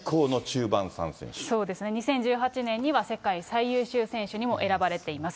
そうですね、２０１８年には世界最優秀選手にも選ばれています。